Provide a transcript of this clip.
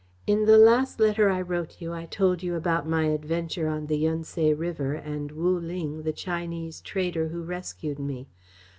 In the last letter I wrote you I told you about my adventure on the Yun Tse River and Wu Ling, the Chinese trader who rescued me.